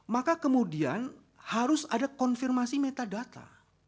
maka kemudian harus ada konfirmasi metadata